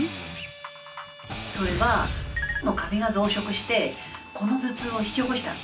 それはのカビが増殖してこの頭痛を引き起こしたと。